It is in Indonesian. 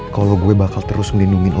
kalau gue bakal terus ngelindungi lo